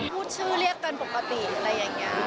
พูดชื่อเรียกกันปกติอะไรอย่างนี้